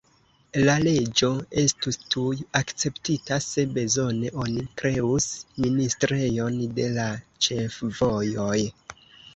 La leĝo estus tuj akceptita: se bezone, oni kreus ministrejon de la ĉefvojoj.